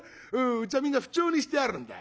うちはみんな符丁にしてあるんだよ。